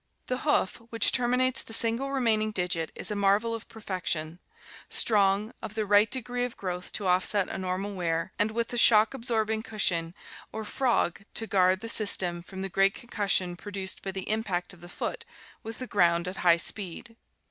The 606 ORGANIC EVOLUTION hoof which terminates the single remaining digit is a marvel of perfection; strong, of the right degree of growth to offset a normal wear, and with the shock absorbing cushion or frog to guard the system from the great concussion produced by the impact of the foot with the ground at high speed.